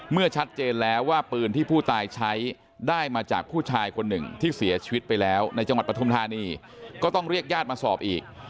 เมื่อชัดเจนแล้วว่าปืนที่ผู้ตายใช้ได้มาจากผู้ชายคนหนึ่งที่เสียชีวิตไปแล้วในจังหวัดปฐุมธานีก็ต้องเรียกญาติมาสอบอีก